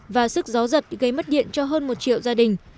và sức gió giật gây mất điện cho hơn một triệu gia đình